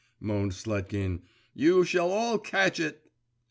moaned Sletkin; 'you shall all catch it.